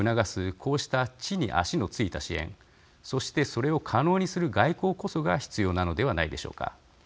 こうした地に足のついた支援そしてそれを可能にする外交こそが必要なのではないでしょうか。